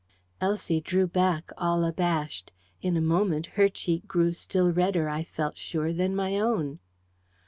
Elsie drew back, all abashed. In a moment her cheek grew still redder, I felt sure, than my own.